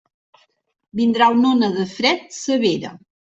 Vindrà una ona de fred severa.